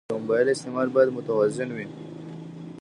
د موبایل استعمال باید متوازن وي.